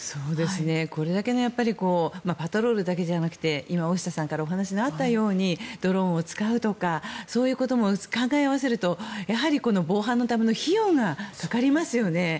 これだけのパトロールだけでなく今、大下さんからお話のあったようにドローンを使うとかそういうことも考え合わせると防犯のための費用がかかりますよね。